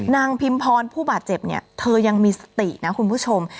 พิมพรผู้บาดเจ็บเนี่ยเธอยังมีสตินะคุณผู้ชม